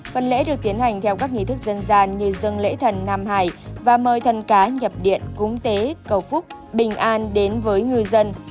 phần lễ được tiến hành theo các nghi thức dân gian như dân lễ thần nam hải và mời thần cá nhập điện cúng tế cầu phúc bình an đến với ngư dân